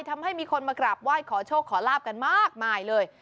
ทำให้มีคนมากราบไหว้ขอโชคขอลาบกันมากมายเลย